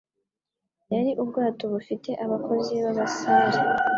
Yari ubwato bufite abakozi babasare .